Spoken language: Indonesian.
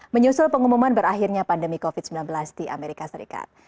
menyusul pengumuman berakhirnya pandemi covid sembilan belas di amerika serikat